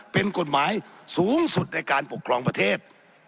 เป็นกฎหมายสูงสุดในการปกครองประเทศ